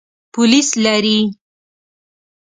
پولیس لري.